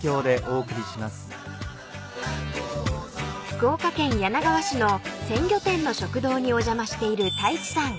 ［福岡県柳川市の鮮魚店の食堂にお邪魔している太一さん］